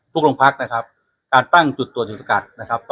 พวกลงพักนะครับการตั้งจุดตัวจุศกัดนะครับ